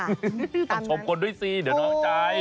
ต้องชมคนด้วยสิเดี๋ยวน้องใจ